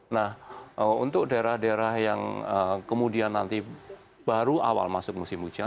nah untuk daerah daerah yang kemudian nanti baru awal masuk musim hujan